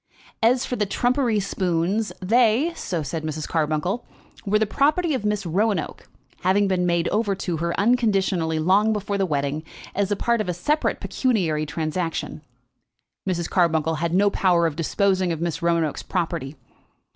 As for the trumpery spoons, they, so said Mrs. Carbuncle, were the property of Miss Roanoke, having been made over to her unconditionally long before the wedding, as a part of a separate pecuniary transaction. Mrs. Carbuncle had no power of disposing of Miss Roanoke's property.